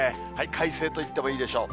快晴といってもいいでしょう。